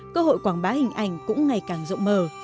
cơ hội quảng bá hình ảnh cũng ngày càng rộng mở